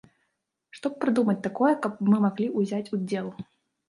Што б прыдумаць такое, каб мы маглі ўзяць удзел?